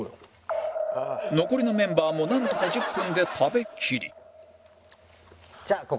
残りのメンバーもなんとか１０分で食べきり